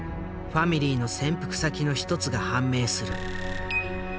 ファミリーの潜伏先の一つが判明する。